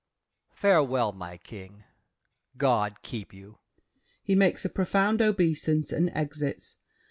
Farewell, My king! God keep you! [He makes a profound obeisance, and exits.